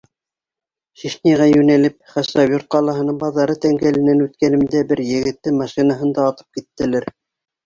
Чечняға йүнәлеп, Хасавюрт ҡалаһының баҙары тәңгәленән үткәнемдә бер егетте машинаһында атып киттеләр.